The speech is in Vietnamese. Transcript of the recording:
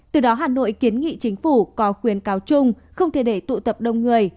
từ đó hà nội kiến nghị chính phủ có khuyến cáo chung không thể để tụ tập đông người